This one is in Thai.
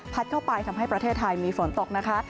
เข้าไปทำให้ประเทศไทยมีฝนตกนะคะ